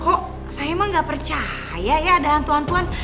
kok saya emang gak percaya ya ada hantu hantuan